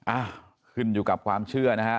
อ่ะขึ้นอยู่กับความเชื่อนะฮะ